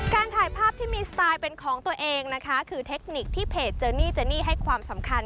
การถ่ายภาพที่มีสไตล์เป็นของตัวเองนะคะ